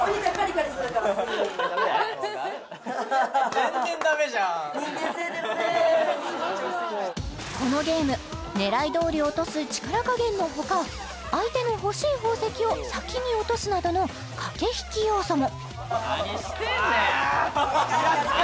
全然ダメじゃんこのゲーム狙いどおり落とす力加減のほか相手の欲しい宝石を先に落とすなどの駆け引き要素も何してんねん！